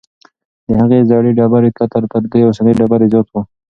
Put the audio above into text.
د هغې زړې ډبرې قطر تر دې اوسنۍ ډبرې ډېر زیات و.